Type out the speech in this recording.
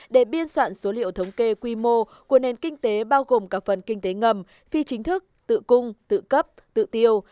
để biên soạn số liệu thống kê quy mô của nền kinh tế bao gồm cả phần kinh tế ngầm phi chính thức tự cung tự cấp tự tiêu